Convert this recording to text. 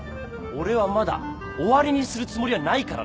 俺はまだ終わりにするつもりはないからな。